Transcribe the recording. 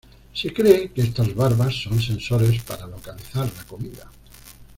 Se cree que estas barbas son sensores para localizar la comida.